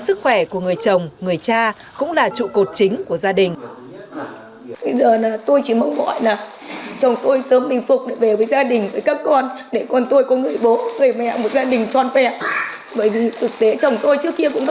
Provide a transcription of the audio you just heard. sức khỏe của người chồng người cha cũng là trụ cột chính của gia đình